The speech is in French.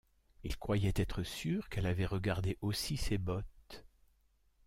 Il croyait être sûr qu’elle avait regardé aussi ses bottes.